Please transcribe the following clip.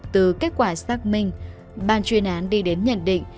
từ kết quả xác mình ban truyền án đi đến nhận định